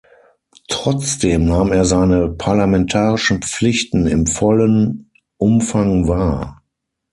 Trotzdem nahm er seine parlamentarischen Pflichten im vollen Umfang wahr.